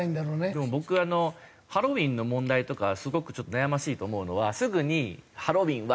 でも僕あのハロウィーンの問題とかすごく悩ましいと思うのはすぐに「ハロウィーンは」